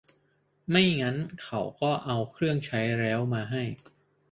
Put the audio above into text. ไม่งั้นเขาก็เอาเครื่องใช้แล้วมาให้